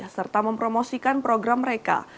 serta mempromosikan program mereka